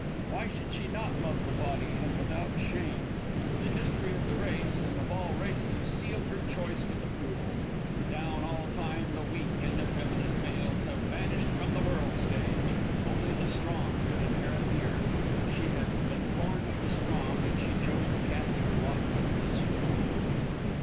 Why should she not love the body, and without shame? The history of the race, and of all races, sealed her choice with approval. Down all time, the weak and effeminate males had vanished from the world stage. Only the strong could inherit the earth. She had been born of the strong, and she chose to cast her lot with the strong.